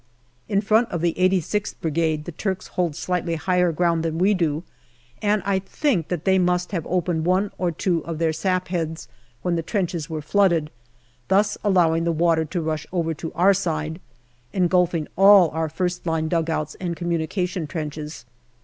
In front of the 86th Brigade the Turks hold slightly higher ground than we do, and I think that they must have opened one or two of their sapheads when their trenches were flooded, thus allowing the water to rush over to our side, engulfing all our first line dugouts and communication trenches.